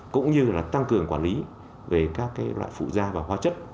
cũng như là tăng cường quản lý về các loại phụ da và hóa chất